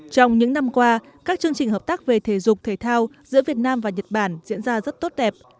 trong những năm qua các chương trình hợp tác về thể dục thể thao giữa việt nam và nhật bản diễn ra rất tốt đẹp